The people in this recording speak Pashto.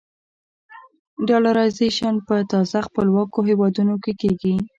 ډالرایزیشن په تازه خپلواکو هېوادونو کې کېږي.